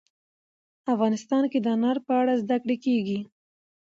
افغانستان کې د انار په اړه زده کړه کېږي.